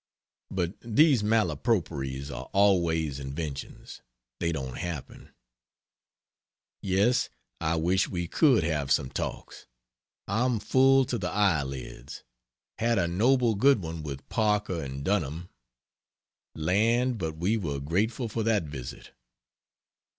But these Malaproperies are always inventions they don't happen. Yes, I wish we could have some talks; I'm full to the eye lids. Had a noble good one with Parker and Dunham land, but we were grateful for that visit!